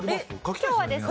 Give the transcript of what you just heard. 今日はですね。